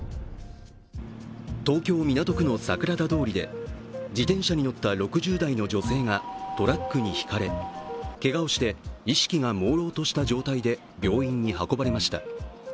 東京・港区の桜田通りで自転車に乗った６０代の女性がトラックにひかれ、けがをして意識がもうろうとした状態で病院に運ばれました。